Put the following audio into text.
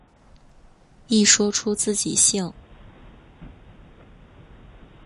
一说出自己姓。